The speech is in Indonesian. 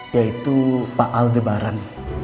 yaitu pak aldebaran